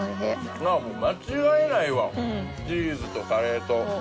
ああもう間違いないわチーズとカレーと。